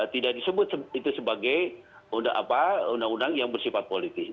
tidak disebut itu sebagai undang undang yang bersifat politik